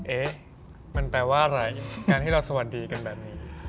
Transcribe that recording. เอ๊ะมันแปลว่าอะไรการที่เราสวัสดีกันแบบนี้